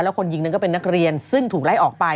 คนหญิงหนึ่งก็เป็นนักเรียนซึ่งถูกไล่ออกไป